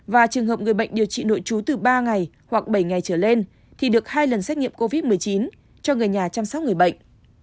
và trường hợp người bệnh điều trị nội trú từ ba ngày hoặc bảy ngày trở lên thì được hai lần xét nghiệm covid một mươi chín cho người nhà chăm sóc người bệnh